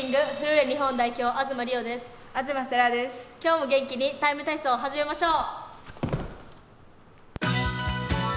今日も元気に「ＴＩＭＥ，体操」始めましょう。